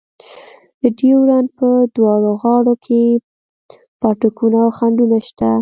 د ډیورنډ په دواړو غاړو کې پاټکونه او خنډونه شته.